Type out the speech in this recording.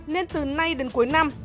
nên từ nay đến cuối năm